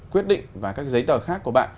quyết định và các giấy tờ khác của bạn